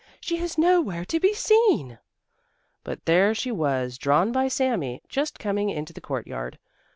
She is nowhere to be seen!" But there she was, drawn by Sami, just coming into the courtyard.